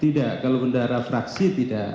tidak kalau bendara fraksi tidak